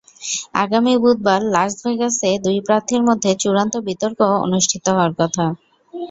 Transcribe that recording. আগামী বুধবার লাস ভেগাসে দুই প্রার্থীর মধ্যে চূড়ান্ত বিতর্ক অনুষ্ঠিত হওয়ার কথা।